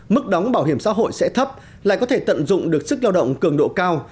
mức đóng bảo hiểm xã hội sẽ thấp lại có thể tận dụng được sức lao động cường độ cao